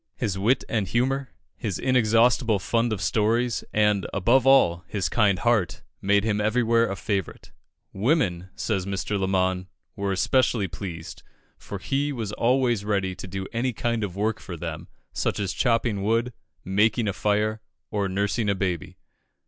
His wit and humour, his inexhaustible fund of stories, and, above all, his kind heart, made him everywhere a favourite. Women, says Mr. Lamon, were especially pleased, for he was always ready to do any kind of work for them, such as chopping wood, making a fire, or nursing a baby.